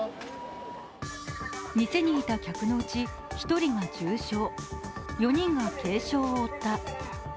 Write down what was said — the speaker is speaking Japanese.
店にいた客のうち１人が重傷４人が軽傷を負った。